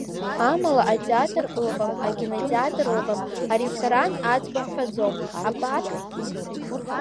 Амала атеатр ыҟам, акинотеатр ыҟам, аресторан аӡбахә ҳҳәаӡом, апарк…